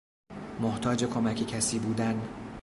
محتاج کمک کسی بودن